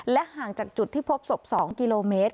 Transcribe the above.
ห่างจากจุดที่พบศพ๒กิโลเมตร